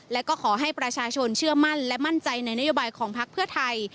และก็ขอให้ประชาชนเชื่อมั่นและมั่นใจในนโยบายของพักเพื่อไทย